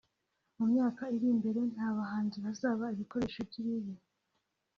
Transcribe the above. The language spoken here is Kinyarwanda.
mu myaka iri imbere nta bahanzi bazaba ibikoresho by’ibibi